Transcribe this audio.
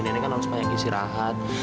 nenek kan harus banyak istirahat